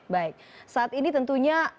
baik saat ini tentunya